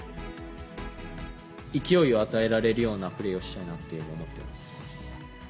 勢いを与えられるようなプレーをしたいなっていうふうに思ってます。